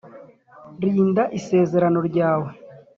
Rinda isezerano ryawe